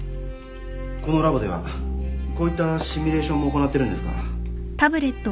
このラボではこういったシミュレーションも行ってるんですが。